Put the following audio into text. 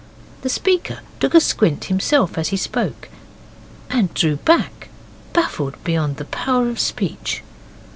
The speaker took a squint himself as he spoke, and drew back, baffled beyond the power of speech.